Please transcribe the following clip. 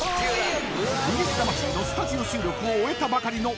［『ＶＳ魂』のスタジオ収録を終えたばかりの］